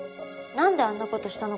何であんなことしたの？